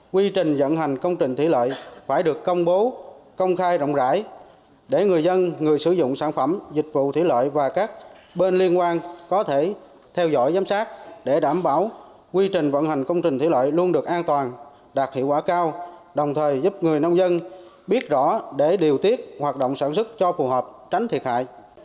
quy trình vận hành công trình thủy lợi phải được công bố công khai rộng rãi để người dân người sử dụng sản phẩm dịch vụ thủy lợi và các bên liên quan có thể theo dõi giám sát để đảm bảo quy trình vận hành công trình thủy lợi luôn được an toàn đạt hiệu quả cao đồng thời giúp người nông dân biết rõ để điều tiết hoạt động sản xuất cho phù hợp tránh thiệt hại